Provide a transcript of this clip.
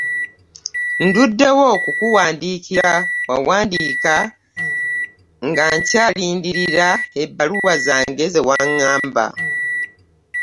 Nduddewo okukuwandiikira wawandiika nga nkyalindirira ebbaluwa zange ze wangamba.